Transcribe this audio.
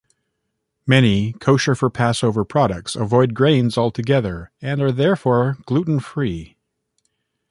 Many kosher-for-Passover products avoid grains altogether and are therefore gluten-free.